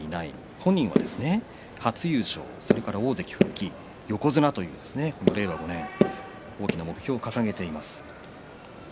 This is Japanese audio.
本人は初優勝、それから大関復帰横綱という令和５年大きな目標を掲げています。